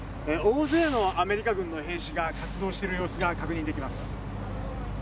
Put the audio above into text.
大勢のアメリカ軍の兵士が活動している様子が確認できます。